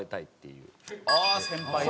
ああ先輩も？